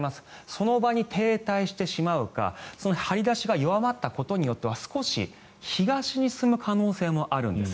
その場に停滞してしまうかその張り出しが弱まったことによって少し東に進む可能性もあるんです。